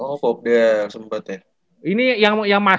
oh popda yang sempet ya